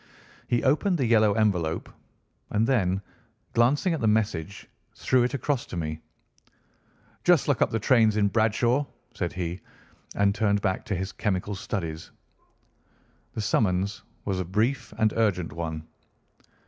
He opened the yellow envelope, and then, glancing at the message, threw it across to me. "Just look up the trains in Bradshaw," said he, and turned back to his chemical studies. The summons was a brief and urgent one.